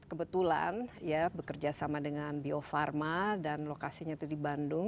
kebetulan ya bekerja sama dengan bio farma dan lokasinya itu di bandung